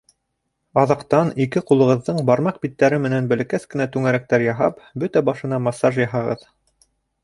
Аҙаҡтан ике ҡулығыҙҙың бармаҡ биттәре менән бәләкәс кенә түңәрәктәр яһап, бөтә башына массаж яһағыҙ.